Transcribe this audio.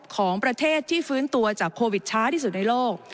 ของประเทศที่ฟื้นตัวจากโควิดช้าที่สุดในโลก